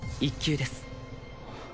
１級です